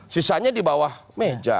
sisanya di bawah meja